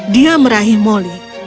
dia merahi moli